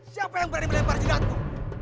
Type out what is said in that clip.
siapa yang berani melempar pidato